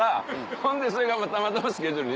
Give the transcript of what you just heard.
ほんでそれがたまたまスケジュール